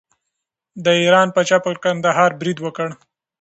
د ایران پاچا پر کندهار برید وکړ.